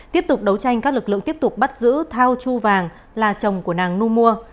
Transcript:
tiếp tục đấu tranh các lực lượng tiếp tục bắt giữ thao chu vàng là chồng của nàng nu mua